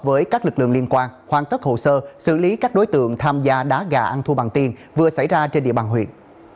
với các lực lượng liên quan hoàn tất hồ sơ xử lý các đối tượng tham gia đá gà ăn thua bằng tiền vừa xảy ra trên địa bàn huyện